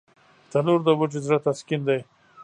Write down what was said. تنور د وږي زړه تسکین دی